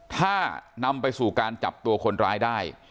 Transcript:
ถ้านำไปสู่การจับตัวคนร้ายได้